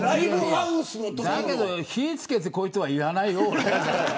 だけど火をつけてこいとは言わないよ。俺は。